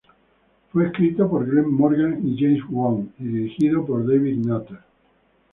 Fue escrito por Glen Morgan y James Wong y dirigido por David Nutter.